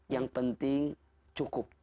yang penting cukup